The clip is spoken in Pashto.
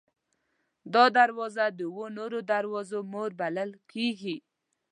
دا دروازه د اوو نورو دروازو مور بلل کېږي.